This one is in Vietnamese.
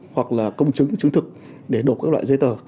hoặc là công chứng chứng thực để đổ các loại giấy tờ